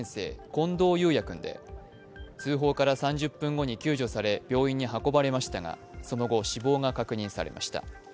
近藤勇也君で通報から３０分後に救助され病院に運ばれましたが、その後、死亡が確認されました。